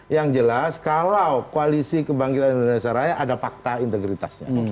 yang jelas kalau koalisi kebangkitan indonesia raya ada fakta integritasnya